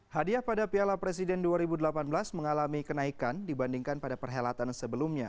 hadiah pada piala presiden dua ribu delapan belas mengalami kenaikan dibandingkan pada perhelatan sebelumnya